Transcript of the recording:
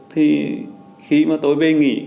thì khi mà tôi về nghỉ